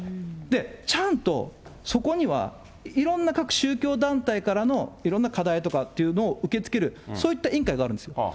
ちゃんと、そこにはいろんな各宗教団体からのいろんな課題とかというのを受け付ける、そういった委員会があるんですよ。